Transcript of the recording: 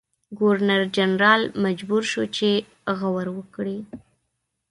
ګورنرجنرال مجبور شو چې غور وکړي.